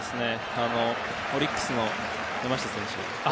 オリックスの山下選手。